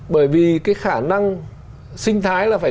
bởi vì cái khả năng sinh thái là phải